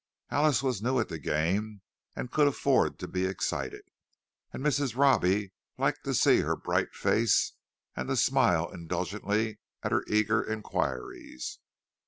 Alice was new at the game, and could afford to be excited; and Mrs. Robbie liked to see her bright face, and to smile indulgently at her eager inquiries.